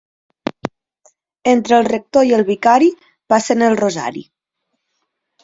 Entre el rector i el vicari passen el rosari.